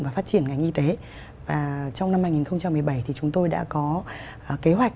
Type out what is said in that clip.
và phát triển ngành y tế và trong năm hai nghìn một mươi bảy thì chúng tôi đã có kế hoạch